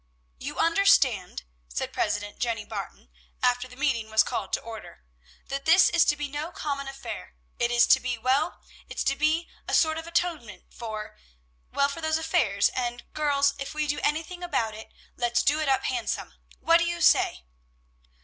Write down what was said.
"You understand," said President Jenny Barton, after the meeting was called to order, "that this is to be no common affair. It's to be, well! it's to be a sort of atonement for well, for those other affairs; and, girls, if we do anything about it, let's do it up handsome. What do you say?"